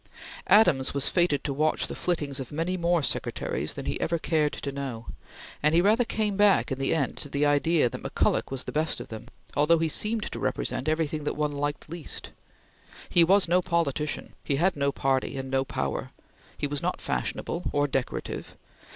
Adams was fated to watch the flittings of many more Secretaries than he ever cared to know, and he rather came back in the end to the idea that McCulloch was the best of them, although he seemed to represent everything that one liked least. He was no politician, he had no party, and no power. He was not fashionable or decorative.